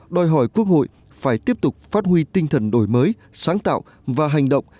đòi hỏi quốc hội phải tiếp tục phát huy tinh thần đổi mới sáng tạo và hành động